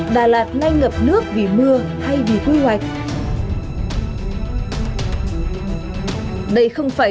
đà lạt nay ngập nước vì mưa hay vì quy hoạch